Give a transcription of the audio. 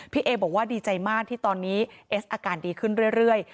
เอบอกว่าดีใจมากที่ตอนนี้เอสอาการดีขึ้นเรื่อย